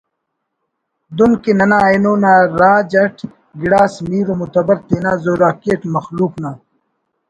دن کہ ننا اینو نا راج اٹ گڑاس میر ومعتبر تینا زوراکی اٹ مخلوق نا